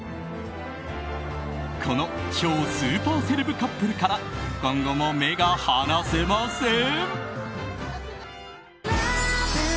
この超スーパーセレブカップルから今後も目が離せません！